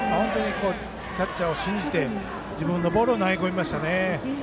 キャッチャーを信じて自分のボールを投げ込みましたね。